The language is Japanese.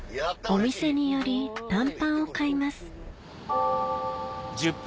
お店に寄り短パンを買います